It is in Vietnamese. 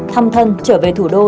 thăm thân trở về thủ đô